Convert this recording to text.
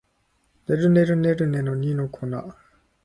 ねるねるねるねの二の粉